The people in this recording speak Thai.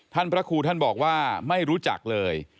พระครูท่านบอกว่าไม่รู้จักเลย